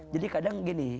jadi kadang gini